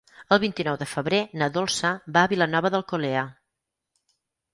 El vint-i-nou de febrer na Dolça va a Vilanova d'Alcolea.